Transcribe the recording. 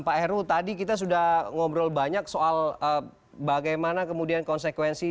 pak heru tadi kita sudah ngobrol banyak soal bagaimana kemudian konsekuensi